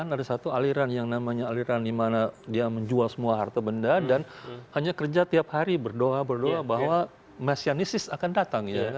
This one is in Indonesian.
ada satu aliran yang namanya aliran di mana dia menjual semua harta benda dan hanya kerja tiap hari berdoa berdoa bahwa mesianisis akan datang ya